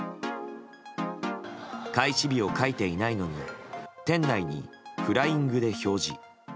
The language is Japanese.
開始日を書いていないのに店内にフライングで表示。